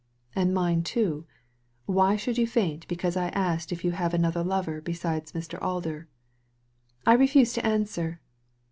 *And mine too. Why should you faint because I ask if you have another lover besides Mr. Alder?" " I refuse to answer